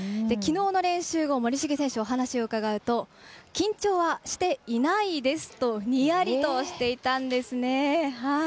きのうの練習後、森重選手にお話を伺うと緊張はしていないですとにやりとしていたんですね。